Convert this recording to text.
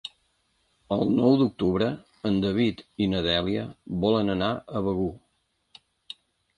El nou d'octubre en David i na Dèlia volen anar a Begur.